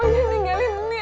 abang jangan tinggalin nek